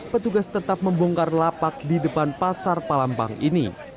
petugas tetap membongkar lapak di depan pasar palambang ini